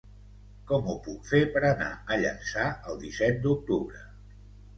Com ho puc fer per anar a Llançà el disset d'octubre?